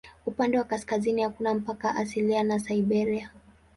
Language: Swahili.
Upande wa kaskazini hakuna mpaka asilia na Siberia.